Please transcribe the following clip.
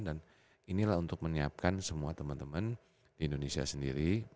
dan inilah untuk menyiapkan semua teman teman di indonesia sendiri